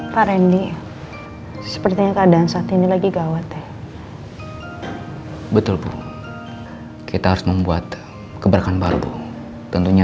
pak rendy sepertinya keadaan saat ini lagi gawat betul kita harus membuat keberakan baru tentunya